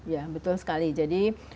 ya betul sekali jadi